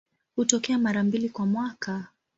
Hutokea mara mbili kwa mwaka.